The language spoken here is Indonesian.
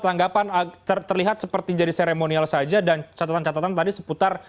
tanggapan terlihat seperti jadi seremonial saja dan catatan catatan tadi seputar